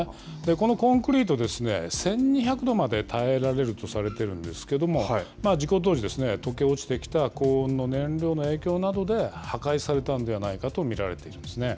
このコンクリートですね、１２００度まで耐えられるとされているんですけれども、事故当時ですね、溶け落ちてきた高温の燃料の影響などで、破壊されたんではないかと見られていますね。